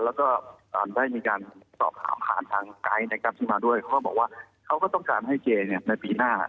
และก็ได้มีการตอบข่าวทางไกท์ที่มาด้วยเขาก็บอกว่าเขาก็ต้องการให้เจ๊ในปีหน้า